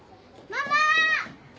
ママ